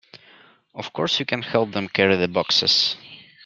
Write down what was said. Of course, you can help them carry the boxes.